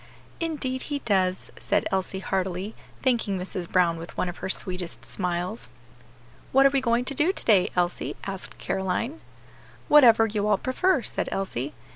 "Indeed he does," said Elsie heartily, thanking Mrs. Brown with one of her sweetest smiles. "What are we going to do to day, Elsie?" asked Caroline. "Whatever you all prefer," said Elsie.